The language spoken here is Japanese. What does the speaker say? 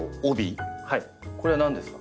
これは何ですか？